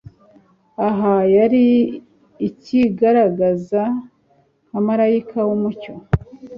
Aha yari acyigaragaza nka marayika w'umucyo,